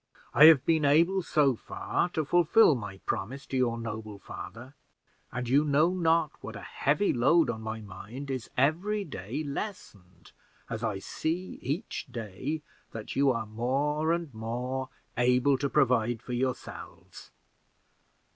I have been able so far to fulfill my promise to your noble father; and you know not what a heavy load on my mind is every day lessened, as I see each day that you are more and more able to provide for yourselves.